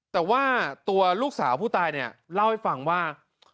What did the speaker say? แต่ว่าตัวลูกสาวผู้ตายเนี่ยเล่าให้ฟังว่า